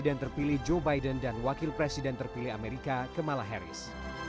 dan terpilih joe biden dan wakil presiden terpilih amerika kamala harris